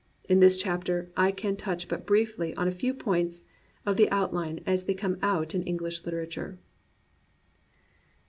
In this chapter I can touch but briefly on a few points of the outline as they come out in English literature.